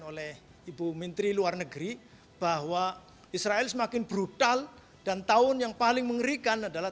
oleh ibu menteri luar negeri bahwa israel semakin brutal dan tahun yang paling mengerikan adalah